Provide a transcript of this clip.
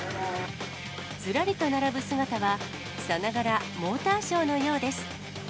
ずらりと並ぶ姿は、さながらモーターショーのようです。